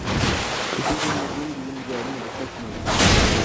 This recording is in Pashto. که ښځې هنرمندې وي نو دیوالونه به تش نه وي.